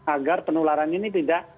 agar penularan ini tidak